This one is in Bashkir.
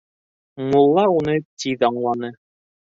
Мулла уны тиҙ аңланы: